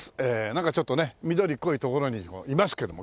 なんかちょっとね緑濃い所にいますけども。